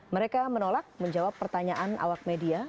mereka menolak menjawab pertanyaan awak media